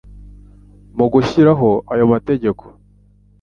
Mu gushyiraho ayo mategeko,